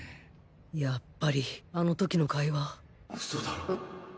やっぱりあの時の会話ウソだろ？